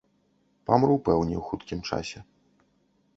Памру, пэўне, у хуткім часе.